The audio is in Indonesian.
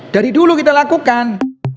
dari dulu kita lakukan